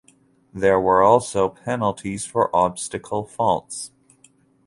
There were also penalties for obstacle faults.